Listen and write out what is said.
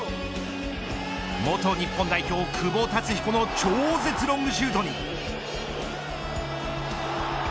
元日本代表、久保竜彦の超絶ロングシュートに。